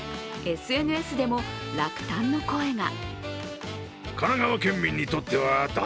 ＳＮＳでも落胆の声が。